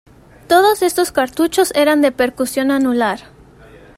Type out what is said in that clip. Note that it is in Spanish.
Todos estos cartuchos eran de percusión anular.